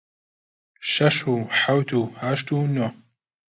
شەش و حەوت و هەشت و نۆ